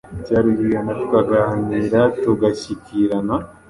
cya rugigana tukaganira, tugashyikirana,